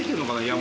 山。